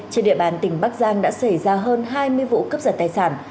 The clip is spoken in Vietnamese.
trên địa bàn tỉnh bắc giang đã xảy ra hơn hai mươi vụ cấp giật tài sản